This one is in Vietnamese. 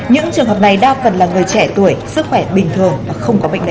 những trường hợp này đa phần là người trẻ tuổi sức khỏe bình thường và không có bệnh lý